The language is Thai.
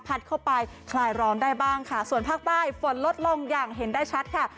เข้าไปคลายร้อนได้บ้างค่ะส่วนภาคใต้ฝนลดลงอย่างเห็นได้ชัดค่ะ